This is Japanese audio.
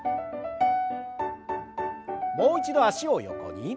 もう一度脚を横に。